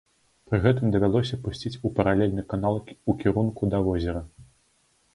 Пры гэтым давялося пусціць у паралельны канал у кірунку да возера.